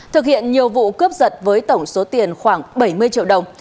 thực hiện nhiều vụ cướp giật với tổng số tiền khoảng bảy mươi triệu đồng